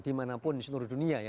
dimanapun di seluruh dunia ya